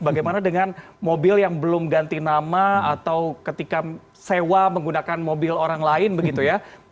bagaimana dengan mobil yang belum ganti nama atau ketika sewa menggunakan mobil orang lain begitu ya